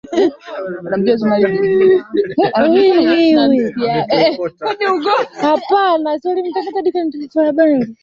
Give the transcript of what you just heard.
walileta pia tamaduni zao na kukubali mishahara